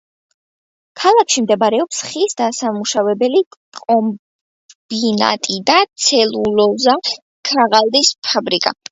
ქალაქში მდებარეობს ხის დასამუშავებელი კომბინატი და ცელულოზა-ქაღალდის ფაბრიკა.